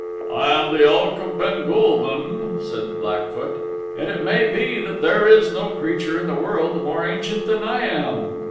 "I am the Elk of Ben Gulban," said Blackfoot, "and it may be that there is no creature in the world more ancient than I am.